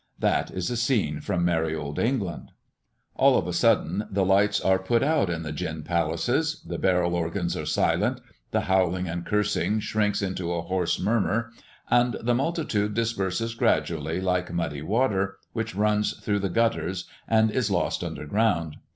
That is a scene from merry Old England!" All of a sudden the lights are put out in the gin palaces, the barrel organs are silent, the howling and cursing shrinks into a hoarse murmur; and the multitude disperse gradually, like muddy water which runs through the gutters and is lost under ground.